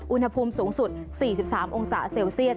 อุณหภูมิสูงสุด๔๓องศาเซลเซียส